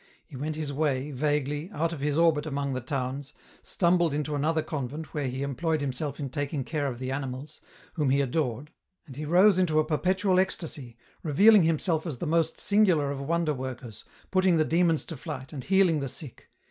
He went his way, vaguely, out of his orbit among the towns, stumbled into another convent where he employed himself in taking care of the animals, whom he adored, and he rose into a perpetual ecstasy, revealing himself as the most singular of wonder workers, putting the demons to flight, and healing the sick.